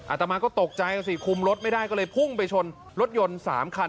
อาตมาก็ตกใจสิคุมรถไม่ได้ก็เลยพุ่งไปชนรถยนต์๓คัน